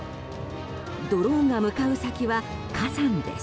ドローンが向かう先は火山です。